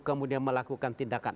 kemudian melakukan tindakan